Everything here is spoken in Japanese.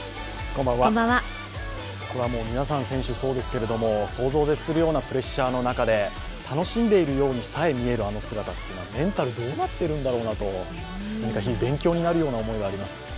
皆さん、選手、そうですけれども想像を絶するようなプレッシャーの中で楽しんでいるようにさえ見えるあの姿というのはメンタル、どうなっているのかなと何か勉強になるような思いがあります。